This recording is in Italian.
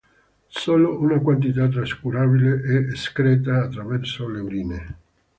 Solo una quantità trascurabile è escreta attraverso le urine.